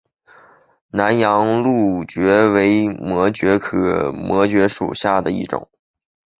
南洋蕗蕨为膜蕨科膜蕨属下的一个种。